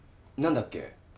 何だっけ？